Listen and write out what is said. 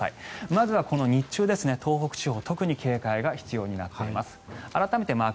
まずは日中、東北地方特に警戒が必要になっています。